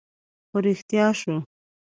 خو رښتيا شو